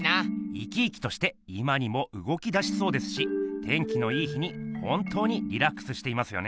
生き生きとして今にもうごきだしそうですし天気のいい日に本当にリラックスしていますよね。